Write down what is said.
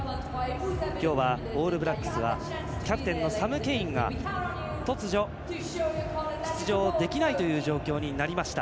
今日はオールブラックスはキャプテンのサム・ケインが突如、出場できない状況になりました。